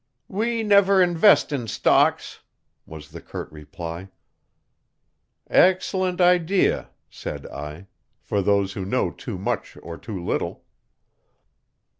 "We never invest in stocks," was the curt reply. "Excellent idea," said I, "for those who know too much or too little."